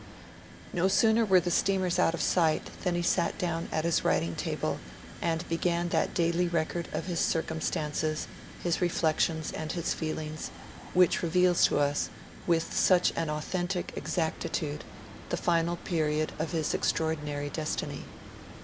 No sooner were the steamers out of sight than he sat down at his writing table and began that daily record of his circumstances, his reflections, and his feelings, which reveals to us, with such an authentic exactitude, the final period of his extraordinary destiny.